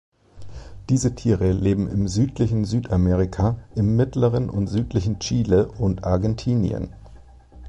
Diese Tiere leben im südlichen Südamerika im mittleren und südlichen Chile und Argentinien.